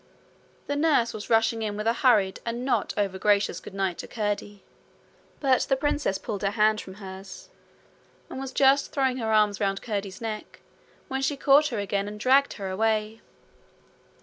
The nurse was rushing in with a hurried and not over gracious good night to Curdie; but the princess pulled her hand from hers, and was just throwing her arms round Curdie's neck, when she caught her again and dragged her away.